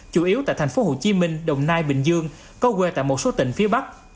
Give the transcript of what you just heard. chủ yếu tại thành phố hồ chí minh đồng nai bình dương có quê tại một số tỉnh phía bắc